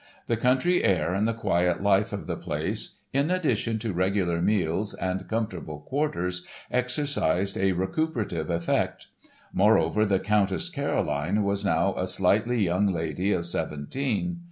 The country air and the quiet life of the place in addition to regular meals and comfortable quarters exercised a recuperative effect. Moreover, the Countess Caroline was now a sightly young lady of seventeen.